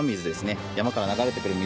山から流れてくる水